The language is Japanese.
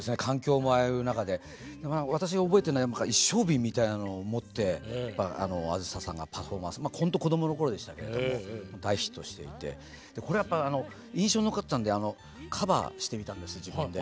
私が覚えてるのは一升瓶みたいなのを持って梓さんがパフォーマンスほんと子供の頃でしたけれども大ヒットしていてこれやっぱ印象残ってたんでカバーしてみたんです自分で。